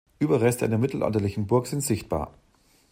Überreste einer mittelalterlichen Burg sind sichtbar.